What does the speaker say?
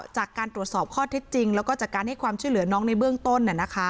จากการตรวจสอบข้อเท็จจริงแล้วก็จากการให้ความช่วยเหลือน้องในเบื้องต้น